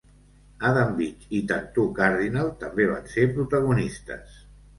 Adam Beach i Tantoo Cardinal també van ser protagonistes.